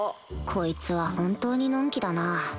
こいつは本当にのんきだな